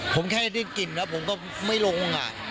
ผมแค่ได้กลิ่นแล้วผมก็ไม่ลง